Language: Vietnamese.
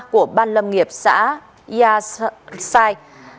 của ban lâm nghiệp xã ia srai